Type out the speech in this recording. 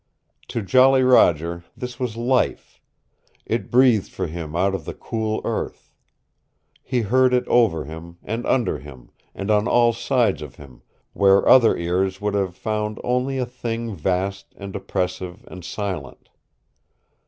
To Jolly Roger this was Life, It breathed for him out of the cool earth. He heard it over him, and under him, and on all sides of him where other ears would have found only a thing vast and oppressive and silent.